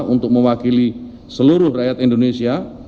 untuk mewakili seluruh rakyat indonesia